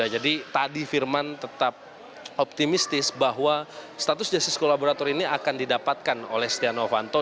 jadi tadi firman tetap optimistis bahwa status jasis kolaborator ini akan didapatkan oleh setionofanto